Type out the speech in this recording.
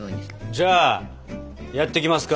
じゃあやっていきますか。